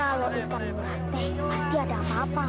kalo ikan murah teh pasti ada apa apa